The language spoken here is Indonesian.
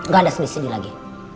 ga ada sedih sedih lagi